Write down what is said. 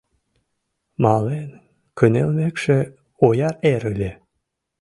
Мален кынелмекше, ояр эр ыле.